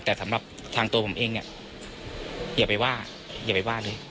แต่สำหรับทางตัวผมเองเนี่ยอย่าไปว่าอย่าไปว่าเลย